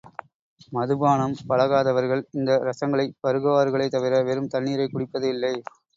மதுபானம் பழகாதவர்கள் இந்த ரசங்களைப் பருகுவார்களே தவிர வெறும் தண்ணீரைக் குடிப்பது இல்லை.